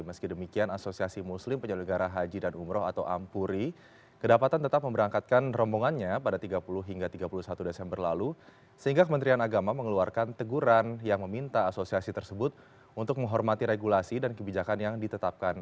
meski demikian asosiasi muslim penyelenggara haji dan umroh atau ampuri kedapatan tetap memberangkatkan rombongannya pada tiga puluh hingga tiga puluh satu desember lalu sehingga kementerian agama mengeluarkan teguran yang meminta asosiasi tersebut untuk menghormati regulasi dan kebijakan yang ditetapkan